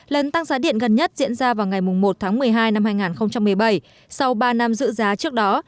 lần tăng giá điện gần nhất diễn ra vào ngày một tháng một mươi hai năm hai nghìn một mươi bảy sau ba năm dự giá trước đó